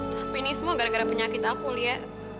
tapi ini semua gara gara penyakit aku lia